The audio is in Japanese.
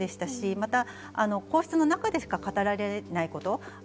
また皇室の中で語られないこと。